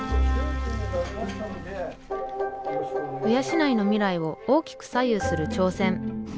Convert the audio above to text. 鵜養の未来を大きく左右する挑戦。